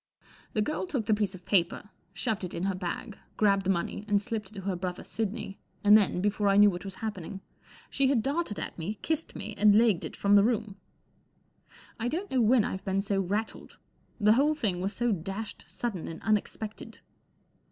The girl took the piece of paper, shoved it in her bag, grabbed the money and slipped it to brother Sidney, and then, before I knew what was happening, she had darted at me, kissed me, and legged it from the room. I don't know when I've been so rattled. The whole thing was so dashed sudden and unexpected.